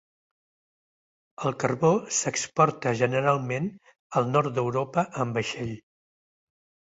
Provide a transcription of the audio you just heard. El carbó s'exporta generalment al nord d'Europa amb vaixell.